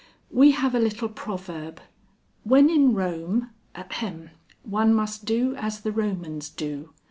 We have a little proverb, 'When in Rome, ahem, one must do as the Romans do.'